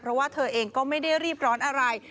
เพราะว่าเธอเองก็ไม่ได้รีบร้อนอะไร